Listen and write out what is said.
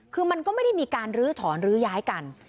คือมันก็ไม่ได้มีการลื้อถอนลื้อย้ายกัน